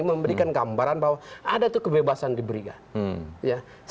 memberikan gambaran bahwa ada tuh kebebasan diberikan